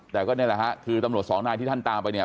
แต่ก็นี่แหละฮะคือตำรวจสองนายที่ท่านตามไปเนี่ย